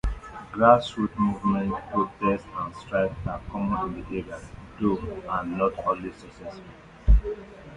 Grassroots movements, protests, and strikes are common in the area, though not always successful.